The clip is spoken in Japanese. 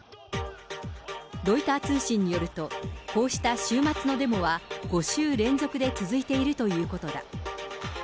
ロイター通信によると、こうした週末のデモは、５週連続で続いているということだ。